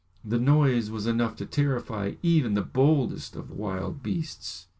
The noise was enough to terrify even the boldest of wild beasts.